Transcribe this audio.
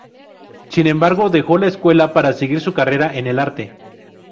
Sin embargo dejó la escuela para seguir su carrera en el arte.